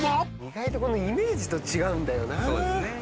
意外とイメージと違うんだよなぁ。